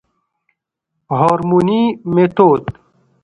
هورموني ميتود